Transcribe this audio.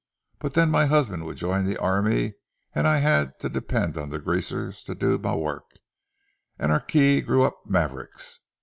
But then my husband would join the army, and I had tae depend on greasers tae do ma work, and oor kye grew up mavericks."